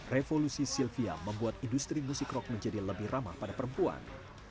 revolusi sylvia membuat industri musik rock menjadi lebih ramah pada perempuan